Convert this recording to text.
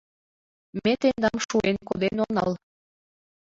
Ме тендам шуэн коден онал.